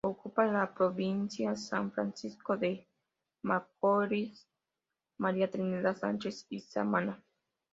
Ocupa las provincias San Francisco de Macorís, María Trinidad Sánchez y Samaná.